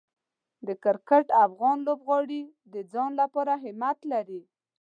د کرکټ افغان لوبغاړي د ځان لپاره همت لري.